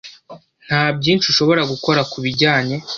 Nta byinshi ushobora gukora kubijyanye.